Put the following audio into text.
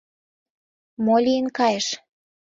— Мо лийын кайыш?